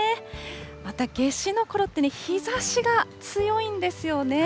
また夏至のころって、日ざしが強いんですよね。